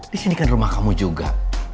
disini kan rumah kamu juga